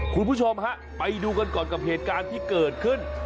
คุณผู้ชมฮะไปดูกันก่อนกับเหตุการณ์ที่เกิดขึ้น